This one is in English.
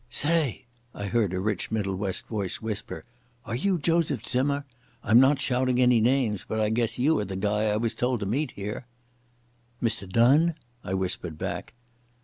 "Say," I heard a rich Middle West voice whisper, "are you Joseph Zimmer? I'm not shouting any names, but I guess you are the guy I was told to meet here." "Mr Donne?" I whispered back.